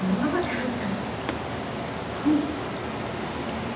判事？